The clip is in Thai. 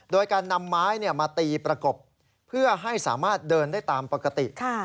โดยการนำไม้มาตีประกบเพื่อให้สามารถเดินได้ตามปกติ